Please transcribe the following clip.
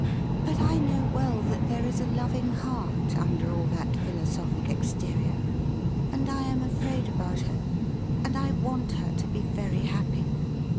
But I know well that there is a loving heart under all that philosophic exterior, and I am afraid about her, and I want her to be very happy.'